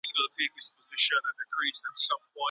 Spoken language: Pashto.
ايا د جرم په مقابل کې نجلۍ ورکول کيدای سي؟